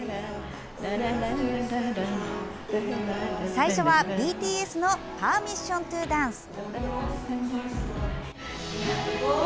最初は、ＢＴＳの「ＰｅｒｍｉｓｓｉｏｎｔｏＤａｎｃｅ」。